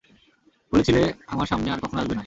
বলেছিলে আমার সামনে আর কখনো আসবে না।